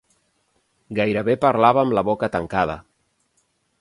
Gairebé parlava amb la boca tancada.